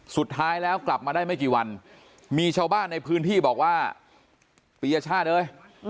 สุดท้ายแล้วกลับมาได้ไม่กี่วันมีชาวบ้านในพื้นที่บอกว่าปียชาติเอ้ย